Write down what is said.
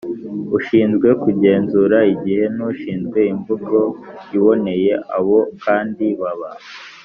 ushinzwe kugenzura igihe n’ushinzwe imvugo iboneye. Abo kandi baba